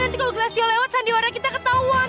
nanti kalau gastio lewat sandiwara kita ketahuan